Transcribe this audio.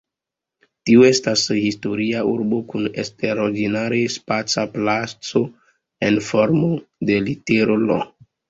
Tio estas historia urbo kun eksterordinare spaca placo en formo de litero "L".